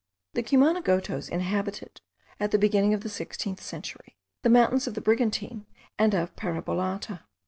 The Cumanagotos inhabited, at the beginning of the sixteenth century, the mountains of the Brigantine and of Parabolata.